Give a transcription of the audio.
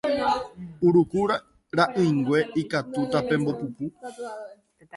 Uruku ra'ỹingue ikatúta pembopupu